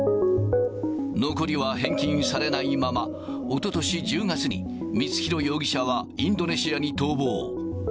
残りは返金されないまま、おととし１０月に光弘容疑者はインドネシアに逃亡。